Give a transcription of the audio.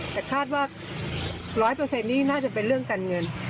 แต่คาดว่า๑๐๐นี่น่าจะเป็นเรื่องการเงิน